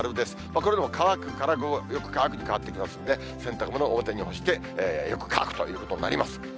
これでも乾くから、午後、よく乾くに変わってきますんで、洗濯物、表に干してよく乾くということになります。